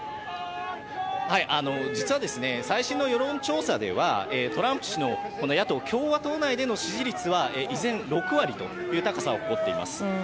実は、最新の世論調査ではトランプ氏の野党・共和党内での支持率は依然６割という高さを誇っています。